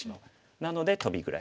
なのでトビぐらい。